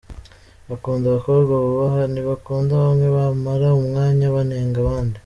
Bakunda abakobwa bubaha, ntibakunda bamwe bamara umwanya banenga abandi.